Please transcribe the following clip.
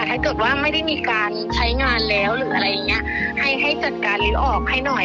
ถ้าเกิดว่าไม่ได้มีการใช้งานแล้วหรืออะไรอย่างเงี้ยให้ให้จัดการหรือออกให้หน่อย